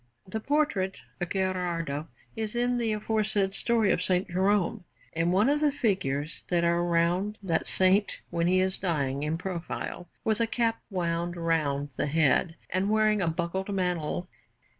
The portrait of Gherardo is in the aforesaid story of S. Jerome, in one of the figures that are round that Saint when he is dying, in profile, with a cap wound round the head and wearing a buckled mantle.